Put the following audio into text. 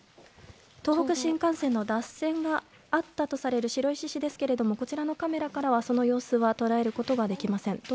東北新幹線の脱線があったとされる白石市ですけどもこちらのカメラからはその様子捉えることができません。